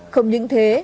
không những thế